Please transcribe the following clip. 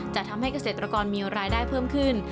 จะทำให้เกษตรกรมีรายได้เพิ่มขึ้น